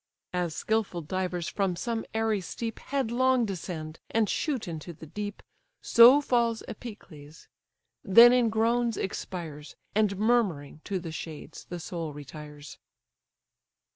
As skilful divers from some airy steep Headlong descend, and shoot into the deep, So falls Epicles; then in groans expires, And murmuring to the shades the soul retires.